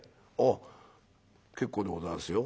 「あっ結構でございますよ。